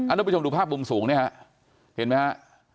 อันนั้นผู้ชมดูภาพบุมสูงเนี่ยฮะเห็นไหมฮะ